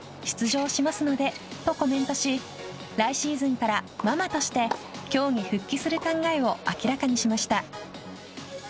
２０２４年の全豪には出場しますので、とコメントし来シーズンから、ママとして競技復帰する考えを明らかにしました。